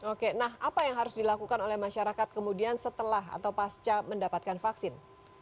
oke nah apa yang harus dilakukan oleh masyarakat kemudian setelah atau pasca mendapatkan vaksin